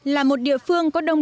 là một địa phương có đông đồng